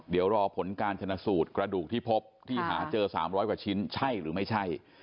เดี๋ยวรอผลการชนะสูตรกระดูกที่พบที่หาเจอ๓๐๐กว่าชิ้นใช่หรือไม่ใช่